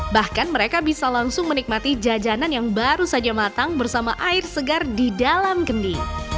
bahkan mereka bisa langsung menikmati jajanan yang baru saja matang bersama air segar di dalam kendi